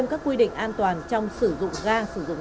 nổi bật trong hai mươi bốn h qua